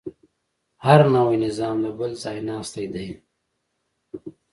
هر نوی نظام د بل ځایناستی دی.